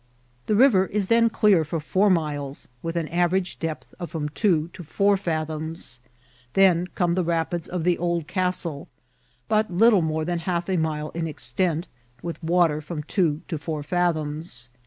The river is then clear for four miles, with an average depth of from two to four fathoms. Then come the rapids of the Old Castle, but little more than half a mile in extent, with water from two to four fathoms.